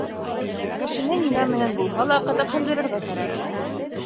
Кешене нимә менән булһа ла ҡыҙыҡһындырырға кәрәк.